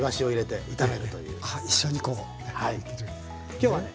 今日はね